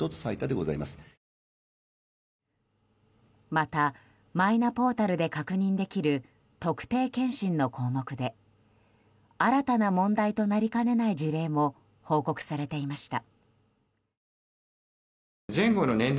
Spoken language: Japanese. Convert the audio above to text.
また、マイナポータルで確認できる特定検診の項目で新たな問題となりかねない事例も報告されていました。